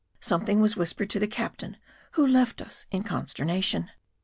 Something was whispered to the captain, who left us in consternation.